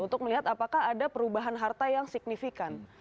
untuk melihat apakah ada perubahan harta yang signifikan